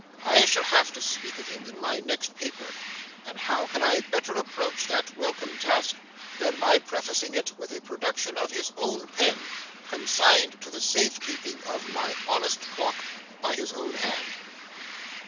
I shall have to speak of him in my next paper; and how can I better approach that welcome task than by prefacing it with a production of his own pen, consigned to the safe keeping of my honest Clock by his own hand?